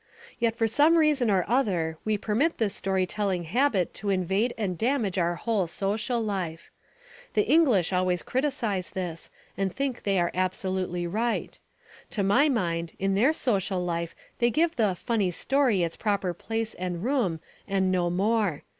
Yet for some reason or other we permit this story telling habit to invade and damage our whole social life. The English always criticise this and think they are absolutely right. To my mind in their social life they give the "funny story" its proper place and room and no more.